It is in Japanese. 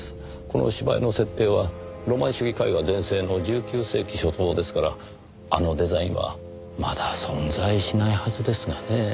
この芝居の設定はロマン主義絵画全盛の１９世紀初頭ですからあのデザインはまだ存在しないはずですがねぇ。